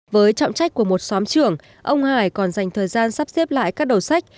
với trọng trách của một xóm trưởng ông hải còn dành thời gian sắp xếp lại các đầu sách